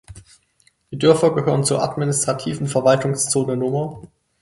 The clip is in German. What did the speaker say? Die Dörfer gehören zur Administrativen Verwaltungszone Nr.